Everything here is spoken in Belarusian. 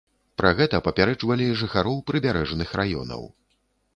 Пра гэта папярэджвалі жыхароў прыбярэжных раёнаў.